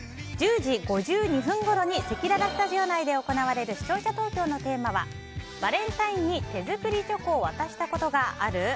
１０時５２分ごろにせきららスタジオ内で行われる視聴者投票のテーマはバレンタインに手作りチョコを渡したことがある？